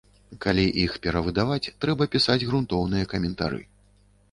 Калі іх перавыдаваць, трэба пісаць грунтоўныя каментары.